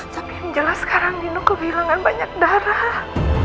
tapi yang jelas sekarang dino kehilangan banyak darah